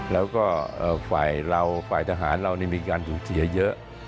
แล้วก็ฝ่ายเราฝ่ายทหารเรามีการสูญเสียเยอะ